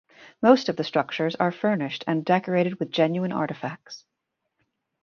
Most of the structures are furnished and decorated with genuine artifacts.